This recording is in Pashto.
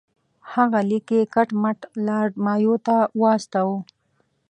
هغه لیک یې کټ مټ لارډ مایو ته واستاوه.